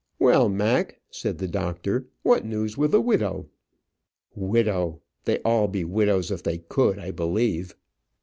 "Well, Mac," said the doctor, "what news with the widow?" "Widow! they'd all be widows if they could, I believe."